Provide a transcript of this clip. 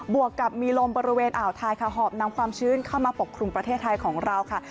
วกกับมีลมบริเวณอ่าวไทยค่ะหอบนำความชื้นเข้ามาปกครุมประเทศไทยของเราค่ะ